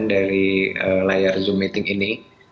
dari layar zoom meeting ini